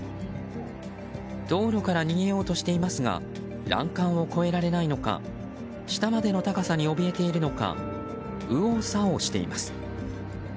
道路から逃げようとしていますが欄干を越えられないのか下までの高さにおびえているのか右往左往しています。